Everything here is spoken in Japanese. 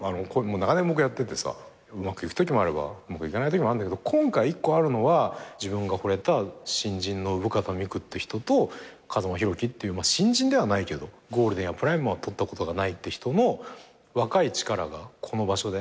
長年僕やっててさうまくいくときもあればうまくいかないときもあんだけど今回１個あるのは自分がほれた新人の生方美久って人と風間太樹っていう新人ではないけどゴールデンやプライムはとったことがないって人の若い力がこの場所で。